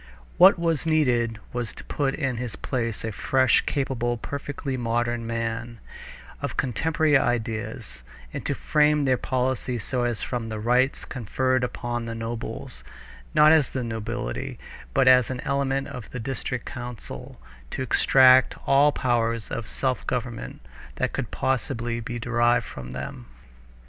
What was needed was to put in his place a fresh, capable, perfectly modern man, of contemporary ideas, and to frame their policy so as from the rights conferred upon the nobles, not as the nobility, but as an element of the district council, to extract all the powers of self government that could possibly be derived from them.